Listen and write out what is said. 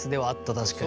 確かに。